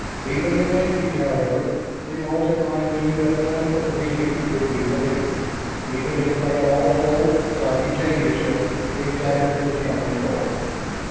Even in linkage, however, the multi mind knew that none of the mediums would be believed, even if they all told, simultaneously, exactly the same story.